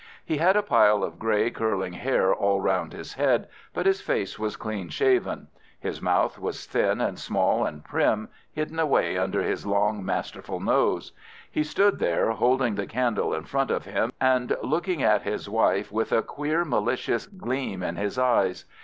He had a pile of grey, curling hair all round his head, but his face was clean shaven. His mouth was thin and small and prim, hidden away under his long, masterful nose. He stood there, holding the candle in front of him, and looking at his wife with a queer, malicious gleam in his eyes.